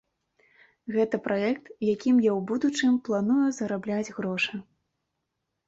Гэта праект, якім я ў будучым планую зарабляць грошы.